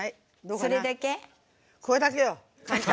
それだけよ！